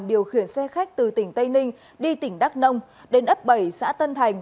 điều khiển xe khách từ tỉnh tây ninh đi tỉnh đắk nông đến ấp bảy xã tân thành